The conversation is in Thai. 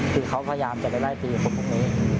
คือเขาพยายามจะไปไล่ตีคนตรงนี้